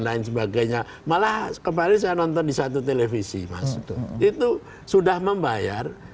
lain sebagainya malah kemarin saya nonton di satu televisi mas itu sudah membayar